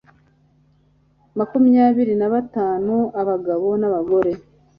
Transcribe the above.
makumyabiri na batanu abagabo n abagore